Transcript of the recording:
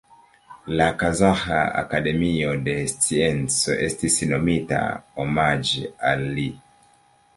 La Kazaĥa Akademio de Sciencoj estis nomita omaĝe al li.